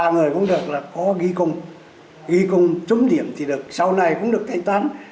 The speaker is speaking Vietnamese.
ba người cũng được là có ghi công ghi công trúng điểm thì được sau này cũng được thành tán